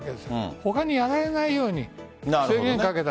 他にやられないように制限をかけた。